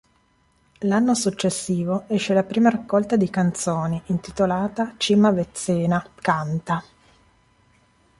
L'anno successivo esce la prima raccolta di canzoni, intitolata "Cima Vezzena Canta...".